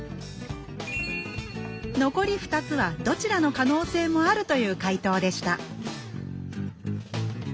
残り２つはどちらの可能性もあるという回答でした